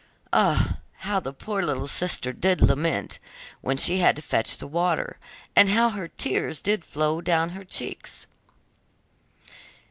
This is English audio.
Ah, how the poor little sister did lament when she had to fetch the water, and how her tears did flow down her cheeks!